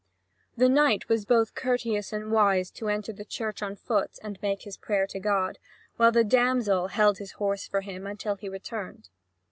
The knight was both courteous and wise to enter the church on foot and make his prayer to God, while the damsel held his horse for him until he returned.